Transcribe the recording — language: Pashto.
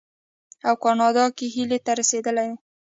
او کاناډا دې هیلې ته رسیدلې ده.